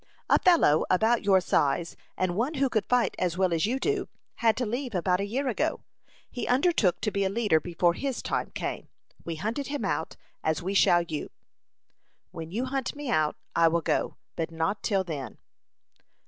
A fellow about your size, and one who could fight as well as you do, had to leave about a year ago. He undertook to be a leader before his time came. We hunted him out, as we shall you." "When you hunt me out, I will go, but not till then."